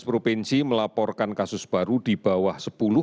satu ratus tujuh belas prinsip melaporkan kasus baru di bawah sepuluh